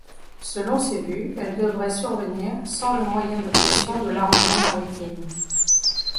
Selon ses vues, elle devrait survenir sans le moyen de pression de l'armement maritime.